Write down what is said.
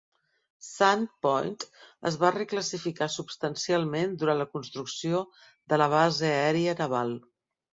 Sand Point es va reclassificar substancialment durant la construcció de la base aèria naval.